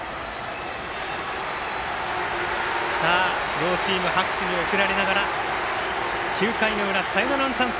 両チーム拍手に送られながら９回の裏、サヨナラのチャンス